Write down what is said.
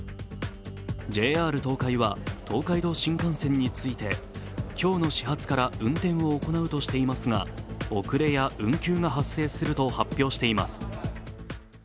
ＪＲ東海は、東海道新幹線について今日の始発から運転を行うとしていますが遅れや運休が発生すると発表しています。